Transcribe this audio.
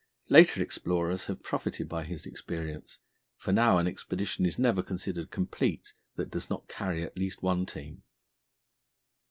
Later explorers have profited by his experience, for now an expedition is never considered complete that does not carry at least one team.